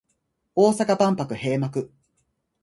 大阪万博閉幕